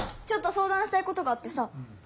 ちょっと相談したいことがあってさ。